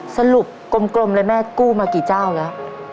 สรุปกลมเลยแม่กู้มากี่เจ้าแล้ว